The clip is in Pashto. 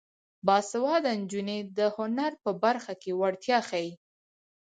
باسواده نجونې د هنر په برخه کې وړتیا ښيي.